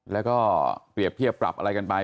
แล้วก็เปรียบเทียบปรับอะไรกันไป